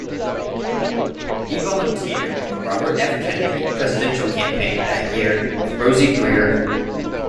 He volunteered on the Robert F. Kennedy presidential campaign that year with Rosie Grier.